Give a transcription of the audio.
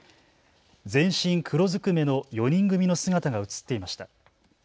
全身黒ずくめの４人組の姿が写っていました。